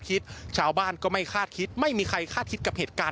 ชาวบ้านก็ไม่คาดคิดไม่มีใครคาดคิดกับเหตุการณ์